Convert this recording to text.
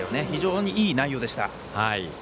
非常にいい内容でした。